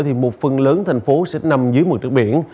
thì một phần lớn thành phố sẽ nằm dưới mực nước biển